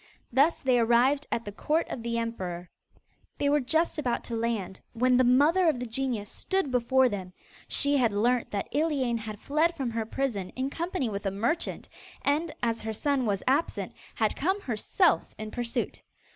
Thus they arrived at the court of the emperor. They were just about to land, when the mother of the genius stood before them. She had learnt that Iliane had fled from her prison in company with a merchant, and, as her son was absent, had come herself in pursuit.